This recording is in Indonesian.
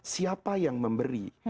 siapa yang memberi